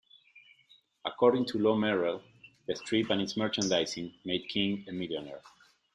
According to Lew Merrell, the strip and its merchandising made King a millionaire.